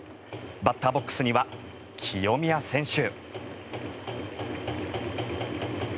バッターボックスには清宮選手。